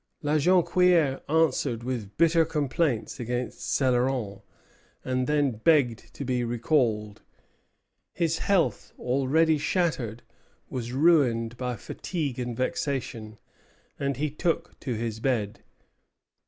La Jonquière answered with bitter complaints against Céloron, and then begged to be recalled. His health, already shattered, was ruined by fatigue and vexation; and he took to his bed.